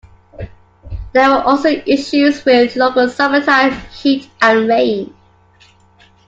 There were also issues with local summertime heat and rain.